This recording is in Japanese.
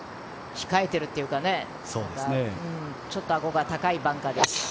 控えているっていうか、ちょっとアゴが高いバンカーです。